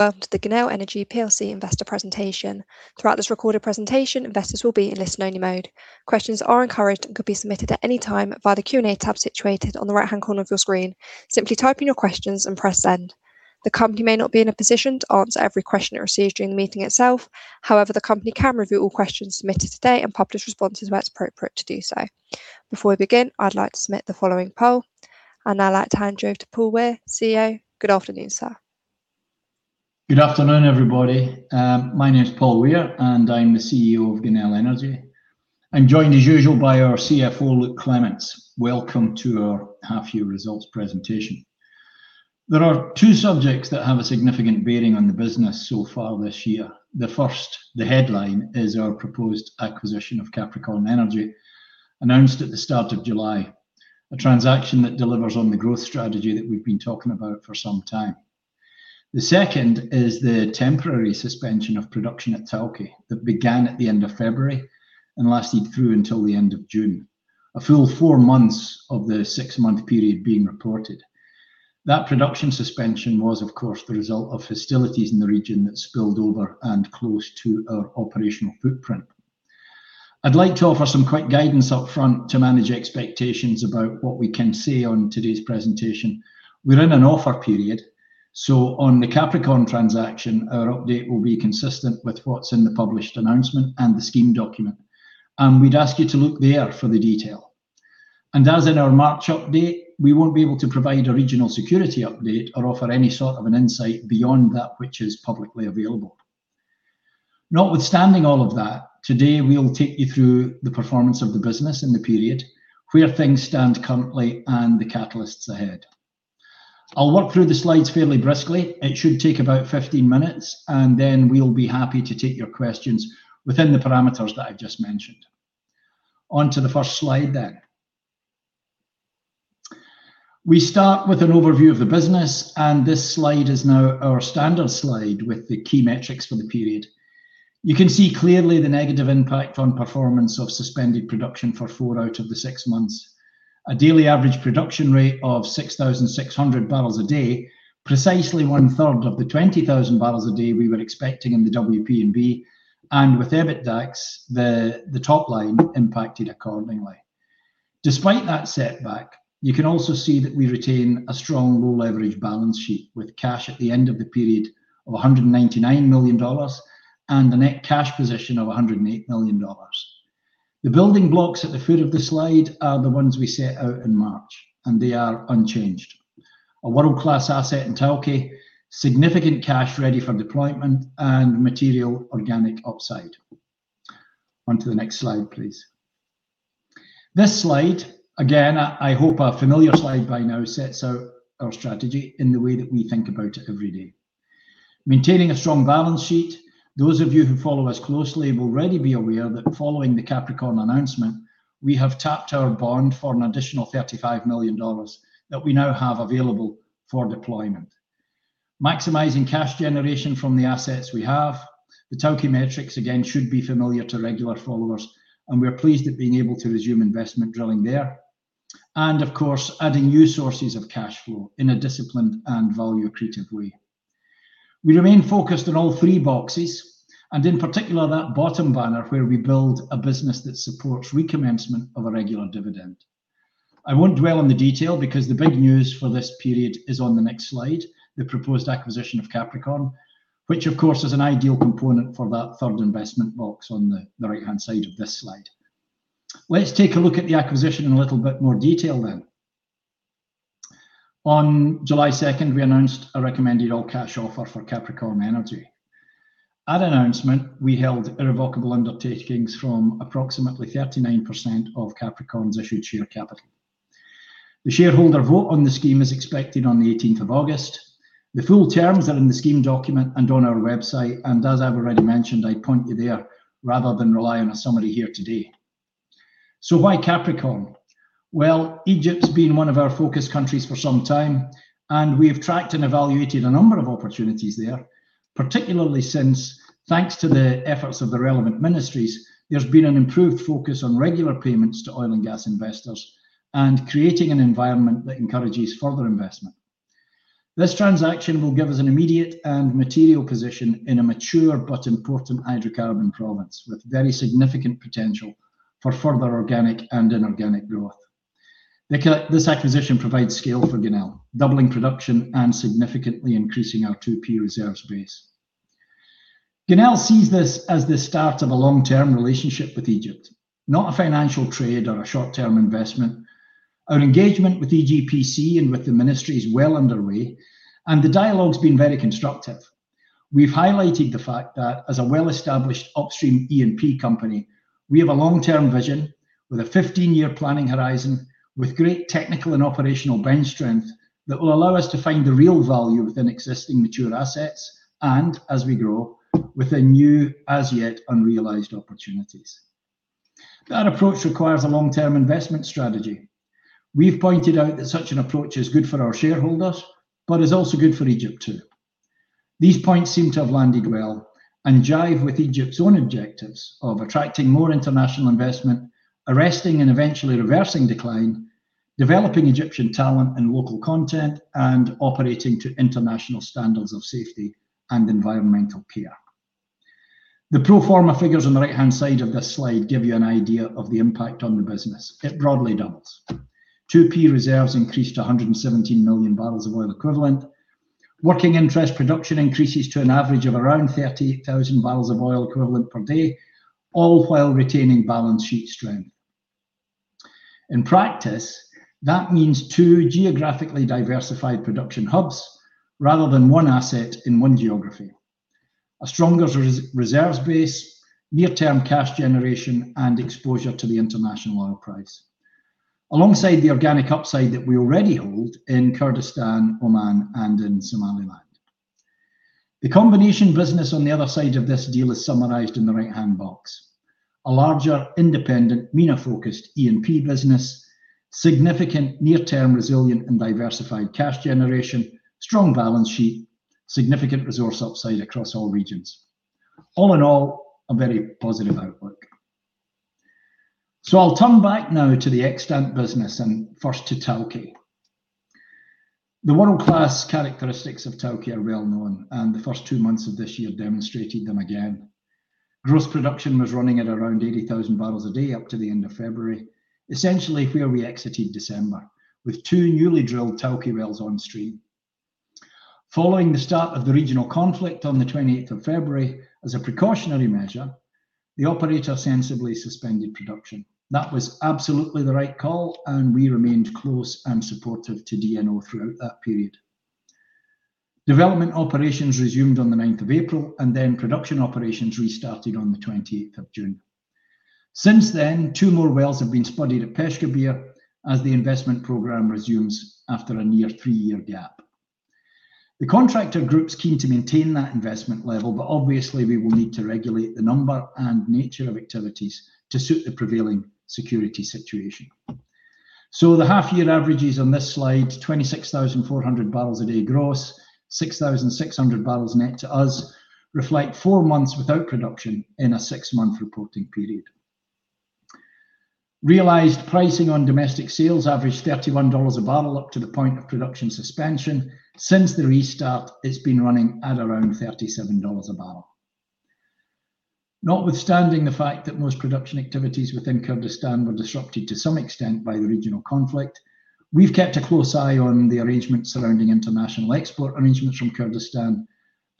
Welcome to the Genel Energy PLC Investor presentation. Throughout this recorded presentation, investors will be in listen only mode. Questions are encouraged and can be submitted at any time via the Q&A tab situated on the right-hand corner of your screen. Simply type in your questions and press send. The company may not be in a position to answer every question it receives during the meeting itself. However, the company can review all questions submitted today and publish responses where it's appropriate to do so. Before we begin, I'd like to submit the following poll. I'd like to hand you over to Paul Weir, CEO. Good afternoon, sir. Good afternoon, everybody. My name is Paul Weir, and I'm the CEO of Genel Energy. I'm joined as usual by our CFO, Luke Clements. Welcome to our half year results presentation. There are two subjects that have a significant bearing on the business so far this year. The first, the headline, is our proposed acquisition of Capricorn Energy, announced at the start of July, a transaction that delivers on the growth strategy that we've been talking about for some time. The second is the temporary suspension of production at Tawke that began at the end of February and lasted through until the end of June, a full four months of the six-month period being reported. That production suspension was, of course, the result of hostilities in the region that spilled over and close to our operational footprint. I'd like to offer some quick guidance up front to manage expectations about what we can say on today's presentation. We're in an offer period, so on the Capricorn transaction, our update will be consistent with what's in the published announcement and the scheme document, and we'd ask you to look there for the detail. As in our March update, we won't be able to provide a regional security update or offer any sort of an insight beyond that which is publicly available. Notwithstanding all of that, today we'll take you through the performance of the business in the period, where things stand currently, and the catalysts ahead. I'll work through the slides fairly briskly. It should take about 15 minutes, and then we'll be happy to take your questions within the parameters that I've just mentioned. On to the first slide, then. We start with an overview of the business, and this slide is now our standard slide with the key metrics for the period. You can see clearly the negative impact on performance of suspended production for four out of the six months. A daily average production rate of 6,600 barrels a day, precisely one third of the 20,000 barrels a day we were expecting in the WP&B, and with EBITDAX, the top line impacted accordingly. Despite that setback, you can also see that we retain a strong low leverage balance sheet with cash at the end of the period of $199 million and a net cash position of $108 million. The building blocks at the foot of the slide are the ones we set out in March, and they are unchanged. A world-class asset in Tawke, significant cash ready for deployment, and material organic upside. On to the next slide, please. This slide, again, I hope a familiar slide by now, sets out our strategy in the way that we think about it every day. Maintaining a strong balance sheet. Those of you who follow us closely will already be aware that following the Capricorn announcement, we have tapped our bond for an additional $35 million that we now have available for deployment. Maximizing cash generation from the assets we have. The Tawke metrics, again, should be familiar to regular followers, and we're pleased at being able to resume investment drilling there. Of course, adding new sources of cash flow in a disciplined and value creative way. We remain focused on all three boxes, and in particular, that bottom banner where we build a business that supports recommencement of a regular dividend. I won't dwell on the detail because the big news for this period is on the next slide, the proposed acquisition of Capricorn, which of course, is an ideal component for that third investment box on the right-hand side of this slide. Let's take a look at the acquisition in a little bit more detail then. On July 2nd, we announced a recommended all cash offer for Capricorn Energy. At announcement, we held irrevocable undertakings from approximately 39% of Capricorn's issued share capital. The shareholder vote on the scheme is expected on the 18th of August. The full terms are in the scheme document and on our website. As I've already mentioned, I'd point you there rather than rely on a summary here today. Why Capricorn? Egypt's been one of our focus countries for some time. We have tracked and evaluated a number of opportunities there, particularly since, thanks to the efforts of the relevant ministries, there's been an improved focus on regular payments to oil and gas investors and creating an environment that encourages further investment. This transaction will give us an immediate and material position in a mature but important hydrocarbon province with very significant potential for further organic and inorganic growth. This acquisition provides scale for Genel, doubling production and significantly increasing our 2P reserves base. Genel sees this as the start of a long-term relationship with Egypt, not a financial trade or a short-term investment. Our engagement with EGPC and with the ministry is well underway. The dialogue's been very constructive. We've highlighted the fact that as a well-established upstream E&P company, we have a long-term vision with a 15-year planning horizon with great technical and operational bench strength that will allow us to find the real value within existing mature assets and as we grow within new as yet unrealized opportunities. That approach requires a long-term investment strategy. We've pointed out that such an approach is good for our shareholders but is also good for Egypt, too. These points seem to have landed well and jive with Egypt's own objectives of attracting more international investment, arresting and eventually reversing decline. Developing Egyptian talent and local content, and operating to international standards of safety and environmental care. The pro forma figures on the right-hand side of this slide give you an idea of the impact on the business. It broadly doubles. 2P reserves increase to 117 million barrels of oil equivalent. Working interest production increases to an average of around 30,000 barrels of oil equivalent per day, all while retaining balance sheet strength. In practice, that means two geographically diversified production hubs, rather than one asset in one geography. A stronger reserves base, near-term cash generation, and exposure to the international oil price. Alongside the organic upside that we already hold in Kurdistan, Oman, and in Somaliland. The combination business on the other side of this deal is summarized in the right-hand box. A larger, independent, MENA-focused E&P business, significant near-term resilient and diversified cash generation, strong balance sheet, significant resource upside across all regions. All in all, a very positive outlook. I'll turn back now to the extant business, and first to Tawke. The world-class characteristics of Tawke are well-known, and the first two months of this year demonstrated them again. Gross production was running at around 80,000 barrels a day up to the end of February, essentially where we exited December, with two newly drilled Tawke wells on stream. Following the start of the regional conflict on the 28th of February, as a precautionary measure, the operator sensibly suspended production. That was absolutely the right call, and we remained close and supportive to DNO throughout that period. Development operations resumed on the 9th of April, production operations restarted on the 28th of June. Since then, two more wells have been spudded at Peshkabir as the investment program resumes after a near three-year gap. The contractor group's keen to maintain that investment level, obviously, we will need to regulate the number and nature of activities to suit the prevailing security situation. The half-year averages on this slide, 26,400 barrels a day gross, 6,600 barrels net to us, reflect four months without production in a six-month reporting period. Realized pricing on domestic sales averaged $31 a barrel up to the point of production suspension. Since the restart, it's been running at around $37 a barrel. Notwithstanding the fact that most production activities within Kurdistan were disrupted to some extent by the regional conflict, we've kept a close eye on the arrangements surrounding international export arrangements from Kurdistan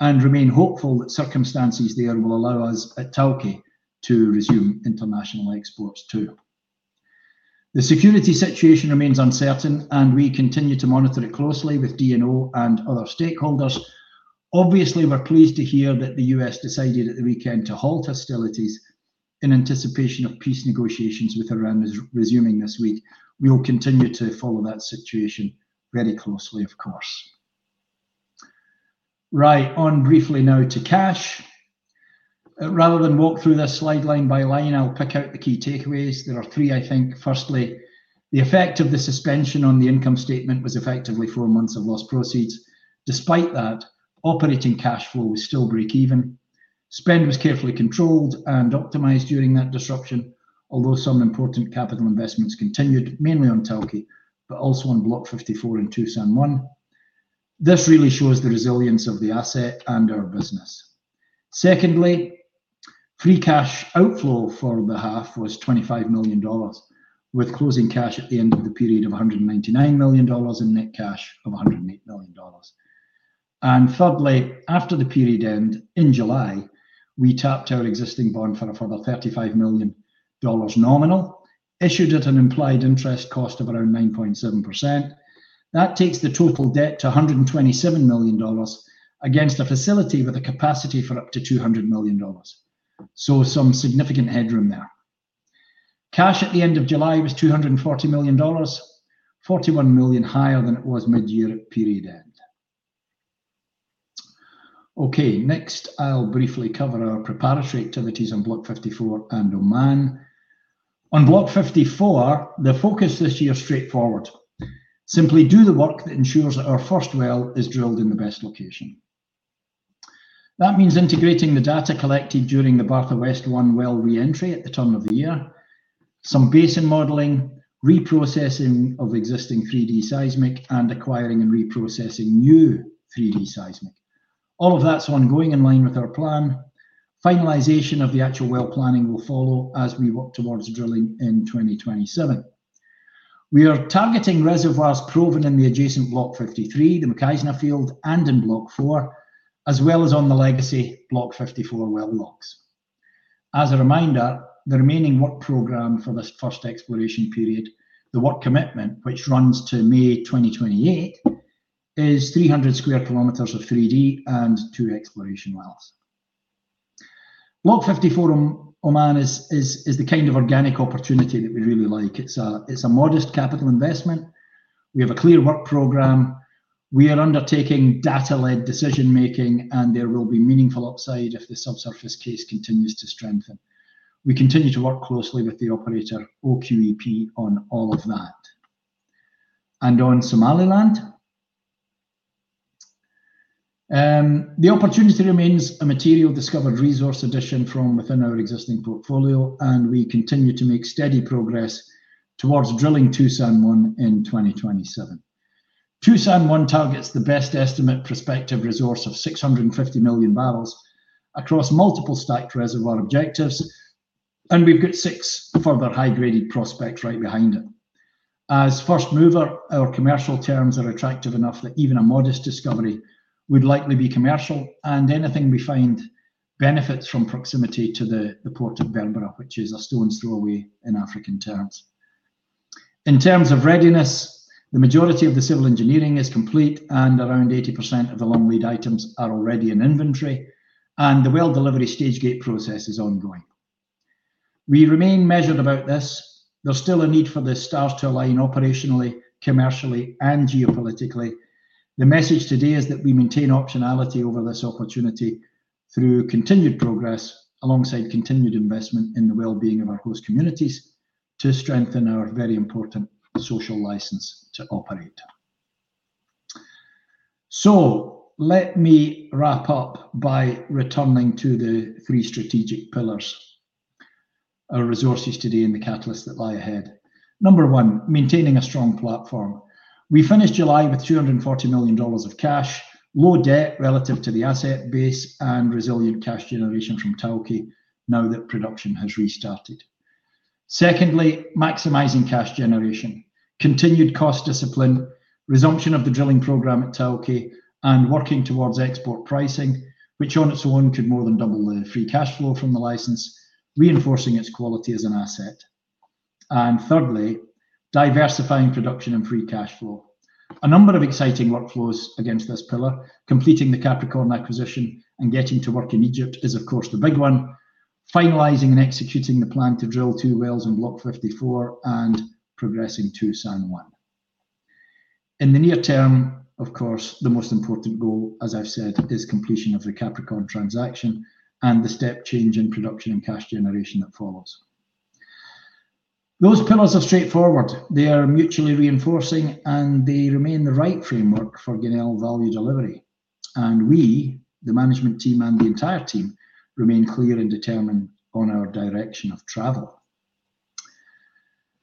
and remain hopeful that circumstances there will allow us at Tawke to resume international exports too. The security situation remains uncertain, and we continue to monitor it closely with DNO and other stakeholders. Obviously, we're pleased to hear that the U.S. decided at the weekend to halt hostilities in anticipation of peace negotiations with Iran resuming this week. We will continue to follow that situation very closely, of course. Right. On briefly now to cash. Rather than walk through this slide line by line, I'll pick out the key takeaways. There are three, I think. Firstly, the effect of the suspension on the income statement was effectively four months of lost proceeds. Despite that, operating cash flow was still break even. Spend was carefully controlled and optimized during that disruption, although some important capital investments continued, mainly on Tawke, but also on Block 54 and Toosan-1. This really shows the resilience of the asset and our business. Secondly, free cash outflow for the half was $25 million, with closing cash at the end of the period of $199 million and net cash of $108 million. Thirdly, after the period end in July, we tapped our existing bond for a further $35 million nominal, issued at an implied interest cost of around 9.7%. That takes the total debt to $127 million against a facility with a capacity for up to $200 million. Some significant headroom there. Cash at the end of July was $240 million, $41 million higher than it was mid-year at period end. Next I'll briefly cover our preparatory activities on Block 54 and Oman. On Block 54, the focus this year is straightforward. Simply do the work that ensures that our first well is drilled in the best location. That means integrating the data collected during the Batha West-1 well re-entry at the turn of the year, some basin modeling, reprocessing of existing 3D seismic, and acquiring and reprocessing new 3D seismic. All of that's ongoing in line with our plan. Finalization of the actual well planning will follow as we work towards drilling in 2027. We are targeting reservoirs proven in the adjacent Block 53, the Makaizah field, and in Block 4, as well as on the legacy Block 54 well blocks. As a reminder, the remaining Work Program for this first exploration period, the work commitment, which runs to May 2028, is 300 square kilometers of 3D and two exploration wells. Block 54 Oman is the kind of organic opportunity that we really like. It's a modest capital investment. We have a clear Work Program. We are undertaking data-led decision-making, and there will be meaningful upside if the subsurface case continues to strengthen. We continue to work closely with the operator, OQEP, on all of that. On Somaliland the opportunity remains a material discovered resource addition from within our existing portfolio, and we continue to make steady progress towards drilling Toosan-1 in 2027. Toosan-1 targets the best estimate prospective resource of 650 million barrels across multiple stacked reservoir objectives, and we've got six further high-graded prospects right behind it. As first mover, our commercial terms are attractive enough that even a modest discovery would likely be commercial, and anything we find benefits from proximity to the port of Berbera, which is a stone's throw away in African terms. In terms of readiness, the majority of the civil engineering is complete and around 80% of the long-lead items are already in inventory, and the well delivery Stage Gate process is ongoing. We remain measured about this. There's still a need for the stars to align operationally, commercially and geopolitically. The message today is that we maintain optionality over this opportunity through continued progress alongside continued investment in the well-being of our host communities to strengthen our very important social license to operate. Let me wrap up by returning to the three strategic pillars. Our resources today and the catalysts that lie ahead. Number one, maintaining a strong platform. We finished July with $240 million of cash, low debt relative to the asset base and resilient cash generation from Tawke now that production has restarted. Secondly, maximizing cash generation. Continued cost discipline, resumption of the drilling program at Tawke and working towards export pricing, which on its own could more than double the free cash flow from the license, reinforcing its quality as an asset. Thirdly, diversifying production and free cash flow. A number of exciting workflows against this pillar. Completing the Capricorn acquisition and getting to work in Egypt is, of course, the big one. Finalizing and executing the plan to drill two wells in Block 54 and progressing Toosan-1. In the near term, of course, the most important goal, as I've said, is completion of the Capricorn transaction and the step change in production and cash generation that follows. Those pillars are straightforward. They are mutually reinforcing, and they remain the right framework for Genel value delivery. We, the management team and the entire team, remain clear and determined on our direction of travel.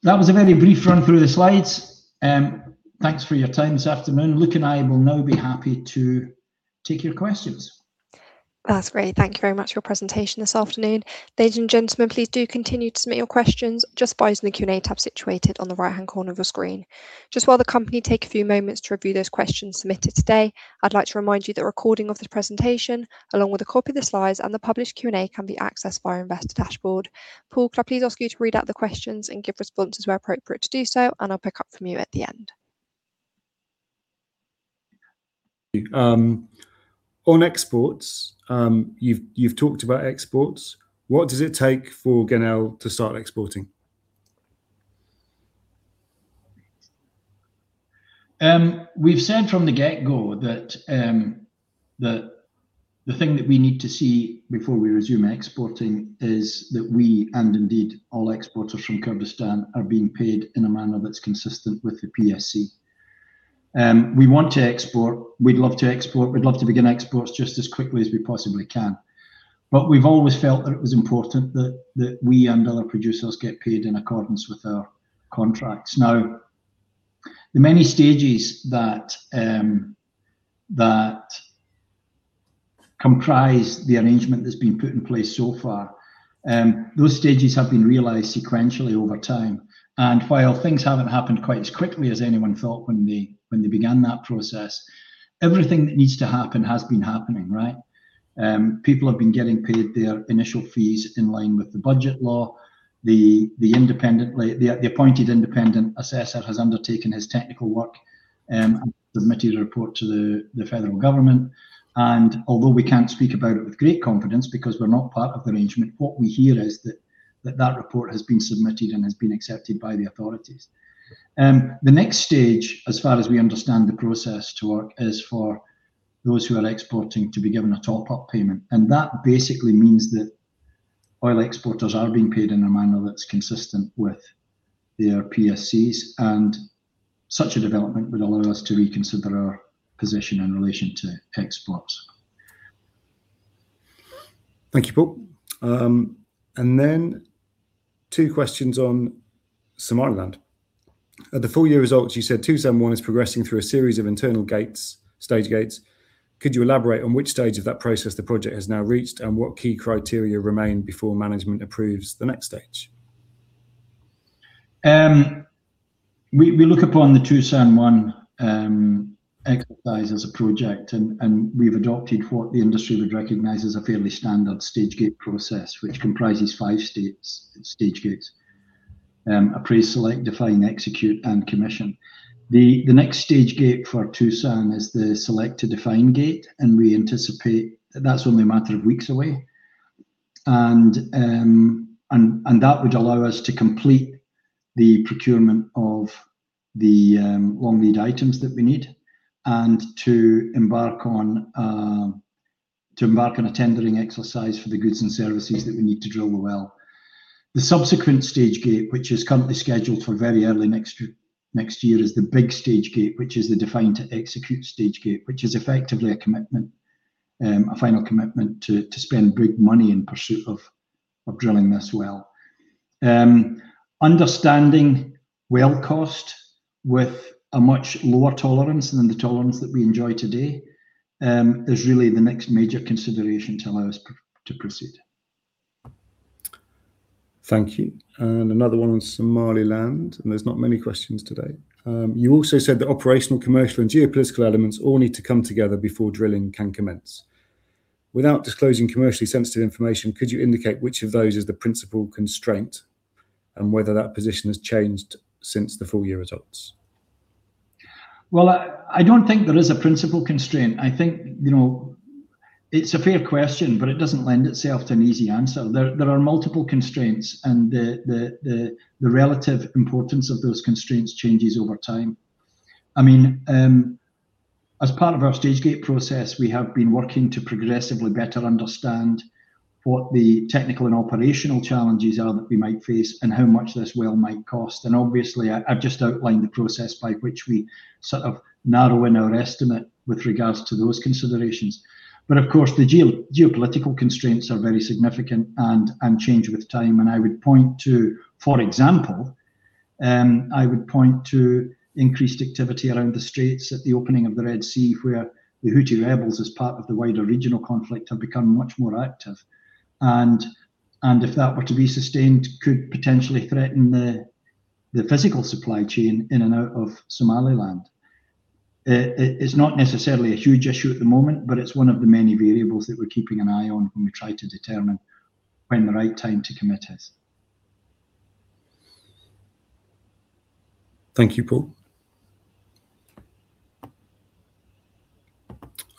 That was a very brief run through the slides. Thanks for your time this afternoon. Luke and I will now be happy to take your questions. That's great. Thank you very much for your presentation this afternoon. Ladies and gentlemen, please do continue to submit your questions just by using the Q&A tab situated on the right-hand corner of your screen. Just while the company take a few moments to review those questions submitted today, I'd like to remind you that a recording of the presentation, along with a copy of the slides and the published Q&A, can be accessed via investor dashboard. Paul, could I please ask you to read out the questions and give responses where appropriate to do so. I'll pick up from you at the end. On exports. You've talked about exports. What does it take for Genel to start exporting? We've said from the get-go that the thing that we need to see before we resume exporting is that we, and indeed all exporters from Kurdistan, are being paid in a manner that's consistent with the PSC. We want to export. We'd love to export. We'd love to begin exports just as quickly as we possibly can. We've always felt that it was important that we and other producers get paid in accordance with our contracts. The many stages that comprise the arrangement that's been put in place so far, those stages have been realized sequentially over time. While things haven't happened quite as quickly as anyone thought when they began that process, everything that needs to happen has been happening, right? People have been getting paid their initial fees in line with the budget law. The appointed independent assessor has undertaken his technical work and submitted a report to the federal government. Although we can't speak about it with great confidence because we're not part of the arrangement, what we hear is that that report has been submitted and has been accepted by the authorities. The next stage, as far as we understand the process to work, is for those who are exporting to be given a top-up payment. That basically means that oil exporters are being paid in a manner that's consistent with their PSCs, and such a development would allow us to reconsider our position in relation to exports. Thank you, Paul. Then two questions on Somaliland. At the full-year results, you said Toosan-1 is progressing through a series of internal gates, Stage Gates. Could you elaborate on which stage of that process the project has now reached and what key criteria remain before management approves the next stage? We look upon the Toosan-1 exercise as a project, and we've adopted what the industry would recognize as a fairly standard Stage Gate process, which comprises five Stage Gates. Agree, Select, Define, Execute, and Commission. The next Stage Gate for Toosan-1 is the Select to Define Gate, and we anticipate that's only a matter of weeks away. That would allow us to complete the procurement of the long-lead items that we need and to embark on a tendering exercise for the goods and services that we need to drill the well. The subsequent Stage Gate, which is currently scheduled for very early next year, is the big Stage Gate, which is the Define to Execute Stage Gate, which is effectively a final commitment to spend big money in pursuit of drilling this well. Understanding well cost with a much lower tolerance than the tolerance that we enjoy today, is really the next major consideration to allow us to proceed. Thank you. Another one on Somaliland, there's not many questions today. You also said that operational, commercial, and geopolitical elements all need to come together before drilling can commence. Without disclosing commercially sensitive information, could you indicate which of those is the principal constraint, and whether that position has changed since the full-year results? Well, I don't think there is a principal constraint. I think it's a fair question, but it doesn't lend itself to an easy answer. There are multiple constraints, and the relative importance of those constraints changes over time. As part of our Stage Gate process, we have been working to progressively better understand what the technical and operational challenges are that we might face and how much this well might cost. Obviously, I've just outlined the process by which we sort of narrow in our estimate with regards to those considerations. Of course, the geopolitical constraints are very significant and change with time, and I would point to, for example, increased activity around the straits at the opening of the Red Sea, where the Houthi rebels, as part of the wider regional conflict, have become much more active. If that were to be sustained, could potentially threaten the physical supply chain in and out of Somaliland. It's not necessarily a huge issue at the moment, but it's one of the many variables that we're keeping an eye on when we try to determine when the right time to commit is. Thank you, Paul.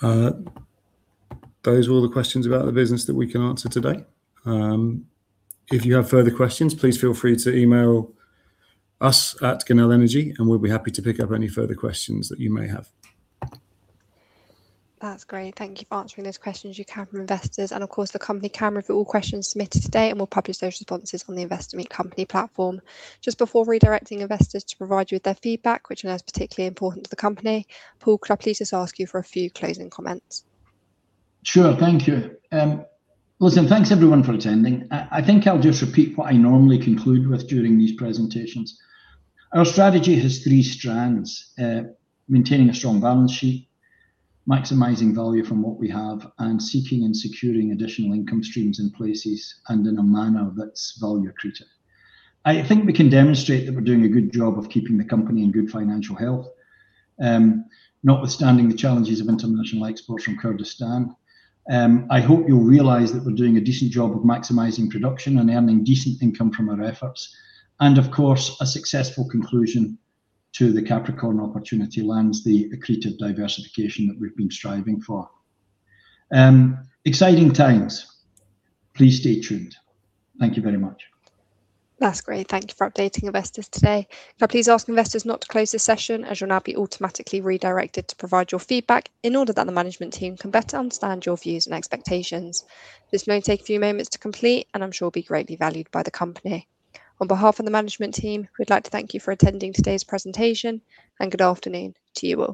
Those are all the questions about the business that we can answer today. If you have further questions, please feel free to email us at Genel Energy and we'll be happy to pick up any further questions that you may have. That's great. Thank you for answering those questions you have from investors and of course, the company can review all questions submitted today, and we'll publish those responses on the Investor Meet Company platform. Just before redirecting investors to provide you with their feedback, which I know is particularly important to the company, Paul, could I please just ask you for a few closing comments? Sure. Thank you. Listen, thanks everyone for attending. I think I'll just repeat what I normally conclude with during these presentations. Our strategy has three strands: maintaining a strong balance sheet, maximizing value from what we have, and seeking and securing additional income streams in places and in a manner that's value accretive. I think we can demonstrate that we're doing a good job of keeping the company in good financial health, notwithstanding the challenges of intermittent oil exports from Kurdistan. I hope you'll realize that we're doing a decent job of maximizing production and earning decent income from our efforts. Of course, a successful conclusion to the Capricorn Energy opportunity lands the accretive diversification that we've been striving for. Exciting times. Please stay tuned. Thank you very much. That's great. Thank you for updating investors today. Could I please ask investors not to close this session, as you'll now be automatically redirected to provide your feedback in order that the management team can better understand your views and expectations. This may take a few moments to complete, and I'm sure will be greatly valued by the company. On behalf of the management team, we'd like to thank you for attending today's presentation, and good afternoon to you all.